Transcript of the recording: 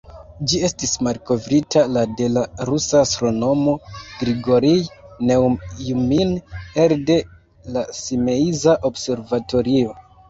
Ĝi estis malkovrita la de la rusa astronomo Grigorij Neujmin elde la Simeiza observatorio.